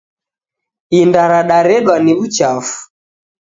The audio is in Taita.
Inda radaredwa ni wuchafu